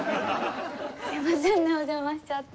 すいませんねお邪魔しちゃって。